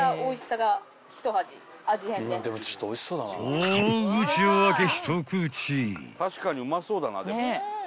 ［大口を開け一口］